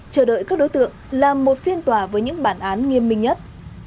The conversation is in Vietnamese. chờ đợi các đối tượng làm một phiên tòa với những bản án nghiêm minh nhất